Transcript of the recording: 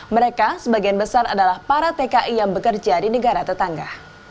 mereka sebagian besar adalah para tki yang bekerja di negara tetangga